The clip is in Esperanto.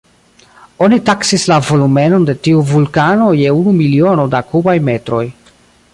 Oni taksis la volumenon de tiu vulkano je unu miliono da kubaj metroj.